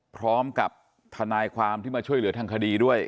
พร้อมกับทนายความที่มาช่วยเหลือทางคดีด้วย